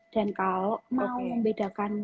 dan kalau mau membedakan